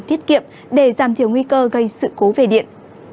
tiết kiệm để giảm thiểu nguy cơ gây sự cố về điện